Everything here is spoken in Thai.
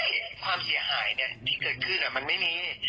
ความเสียหายที่เกิดขึ้นมันไม่มี